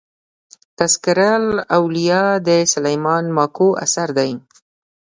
تذکرة الاولياء د سلېمان ماکو اثر دئ.